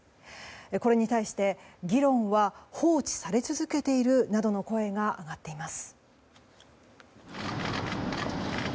これに対して議論は放置され続けているなどの声が上がっています。